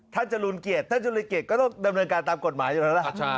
จรูนเกียรติท่านจรูนเกียรติก็ต้องดำเนินการตามกฎหมายอยู่แล้วล่ะ